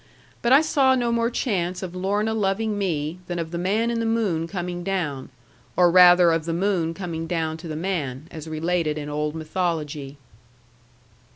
But I saw no more chance of Lorna loving me, than of the man in the moon coming down; or rather of the moon coming down to the man, as related in old mythology.